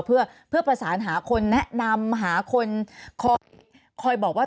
เพื่อประสานหาคนแนะนำหาคนคอยบอกว่า